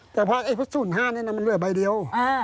แต่พอ๐๕นี่มันเหลือใบเดียว